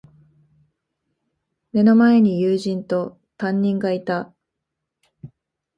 目の前に友人と、担任がいた。